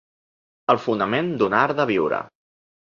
El fonament d’un art de viure.